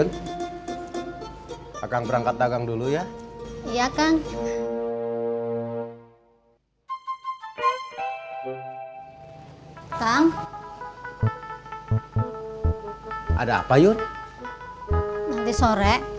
ya mudah mudahan kalau emang itu rezeki kita teh dia balik lagi ya mak